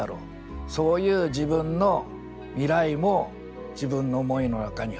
そういう自分の未来も自分の思いの中に入った。